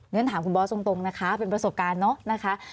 เนื้อถามคุณบอสตรงนะคะเป็นประสบการณ์เนอะ